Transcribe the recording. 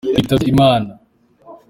witabye Imana.